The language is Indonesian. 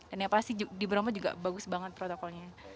dan yang pasti di bromo juga bagus banget protokolnya